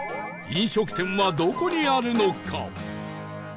飲食店はどこにあるのか？